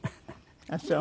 ああそう。